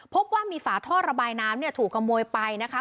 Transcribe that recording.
พบว่ามีฝาท่อระบายน้ำเนี่ยถูกขโมยไปนะคะ